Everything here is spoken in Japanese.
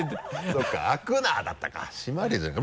そうか「開くな」だったか「閉まれ」じゃない。